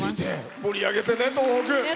盛り上げてね、東北。